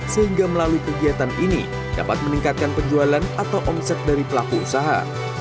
sehingga melalui kegiatan ini dapat meningkatkan penjualan atau omset dari pelaku usaha